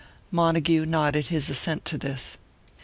Montague nodded his assent to this.